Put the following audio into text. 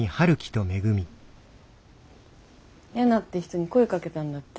ヤナって人に声かけたんだって？